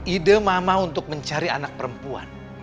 ide mama untuk mencari anak perempuan